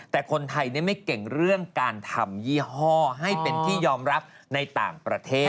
แต่คนไทยไม่เก่งเรื่องการทำยี่ห้อให้เป็นที่ยอมรับในต่างประเทศ